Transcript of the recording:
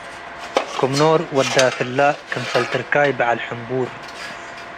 ክም ኖር ወድ ዳፍለ - ክምሰል ትርካይ በዐል ሕምቡር